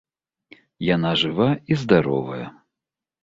Яна жыва і здаровая.